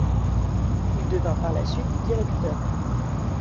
Il devint par la suite directeur.